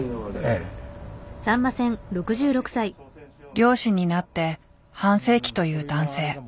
漁師になって半世紀という男性。